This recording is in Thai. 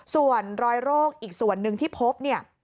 ส่วนรอยโรคอีกส่วนหนึ่งที่พบเนี่ย